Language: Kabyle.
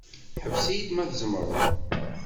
Ḥbes-iyi-d ma tzemreḍ.